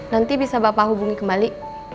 nanti bisa bapak hubungi kembali